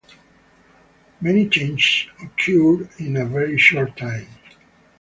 Many changes occurred in a very short time.